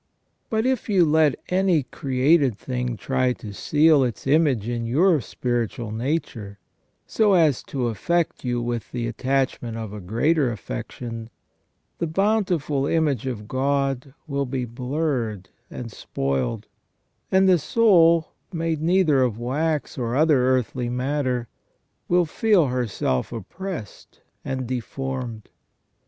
But if you let any created thing try to seal its image in your spiritual nature, so as to aflFect you with the attachment of a greater affection, the beautiful image of God will be blurred and spoiled ; and the soul, made neither of wax or other earthly matter, will feel herself oppressed and deformed.